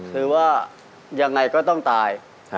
คือว่ายังไงก็ต้องตาย